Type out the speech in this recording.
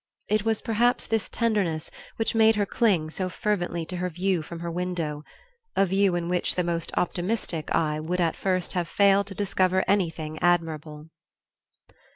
It was, perhaps, this tenderness which made her cling so fervently to her view from her window, a view in which the most optimistic eye would at first have failed to discover anything admirable.